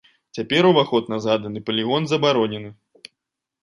Цяпер уваход на згаданы палігон забаронены.